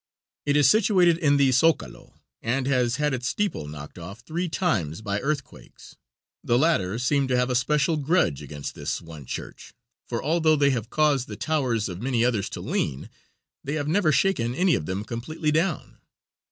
It is situated in the zocalo and has had its steeple knocked off three times by earthquakes. The latter seem to have a special grudge against this one church, for although they have caused the towers of many others to lean, they have never shaken any of them completely down.